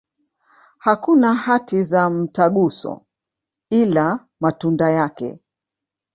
Hakuna hati za mtaguso, ila matunda yake.